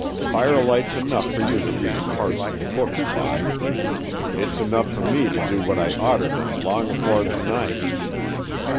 "Firelight's enough fer you to read parsons' books by, it's enough fer me to do what I oughter done long afore to night."